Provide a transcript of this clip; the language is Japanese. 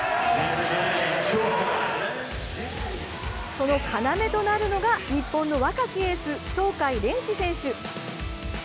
その要となるのが日本の若きエース、鳥海連志選手。